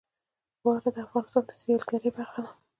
واوره د افغانستان د سیلګرۍ برخه ده.